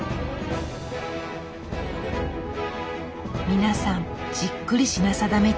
皆さんじっくり品定め中。